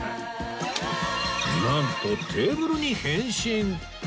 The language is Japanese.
なんとテーブルに変身